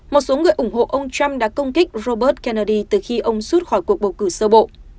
một số người ủng hộ ông trump đã công kích robert kennedy từ khi ông rút khỏi cuộc bầu cử sơ bộ